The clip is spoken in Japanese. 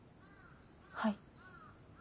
はい。